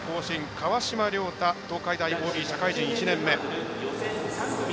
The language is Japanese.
河嶋亮太、東海大ＯＢ社会人１年目。